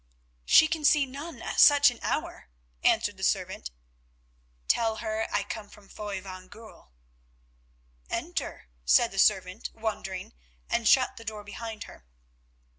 "She can see none at such an hour," answered the servant. "Tell her I come from Foy van Goorl." "Enter," said the servant wondering, and shut the door behind her.